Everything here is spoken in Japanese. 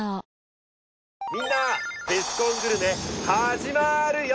みんなベスコングルメ始まるよ！